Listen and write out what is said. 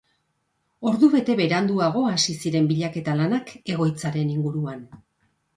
Ordu bat beranduago hasi ziren bilaketa lanak egoitzaren inguruan.